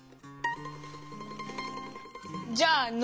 じゃあの